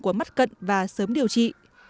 của mắt cận và sớm điều trị